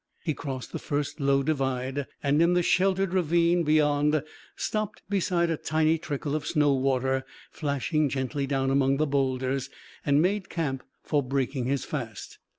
He crossed the first low divide, and in the sheltered ravine beyond stopped beside a tiny trickle of snow water, flashing gently down among the boulders, and made camp for breaking his fast.